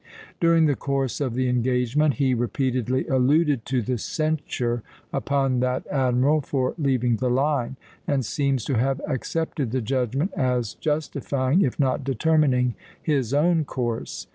During the course of the engagement he repeatedly alluded to the censure upon that admiral for leaving the line, and seems to have accepted the judgment as justifying, if not determining, his own course.